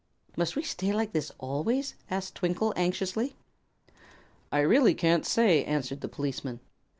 "Must we stay like this always?" asked Twinkle, anxiously. "I really can't say," answered the policeman.